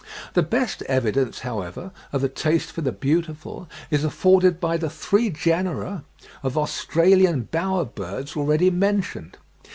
The best evidence, however, of a taste for the beautiful is afforded by the three genera of Australian bower birds already mentioned.